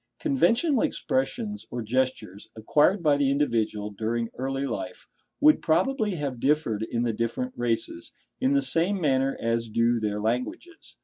Conventional expressions or gestures, acquired by the individual during early life, would probably have differed in the different races, in the same manner as do their languages.